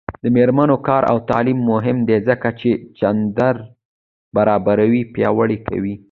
د میرمنو کار او تعلیم مهم دی ځکه چې جنډر برابري پیاوړې کوي.